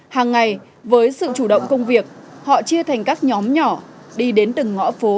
hàng ngày với sự chủ động công việc họ chia thành các nhóm nhỏ đi đến từng ngõ phố